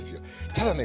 ただね